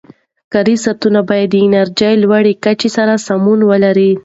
کار ساعتونه باید د انرژۍ لوړې کچې سره سمون ولري.